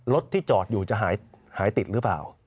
รถที่จอดอยู่จะหายติดหรือเปล่า